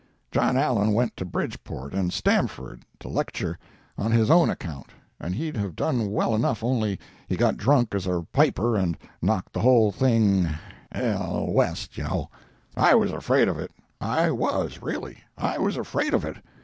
John Allen went to Bridgport and Stamford to lecture on his own account, and he'd have done well enough only he got drunk as a piper and knocked the whole thing h—l—west, you know. I was afraid of it—I was, really—I was afraid of it.